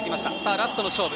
ラストの勝負。